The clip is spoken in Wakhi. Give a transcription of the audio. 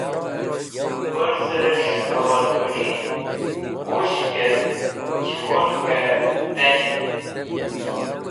Purzẽrẽs̃h awalgũni wushkẽt chẽwurkẽ tẽning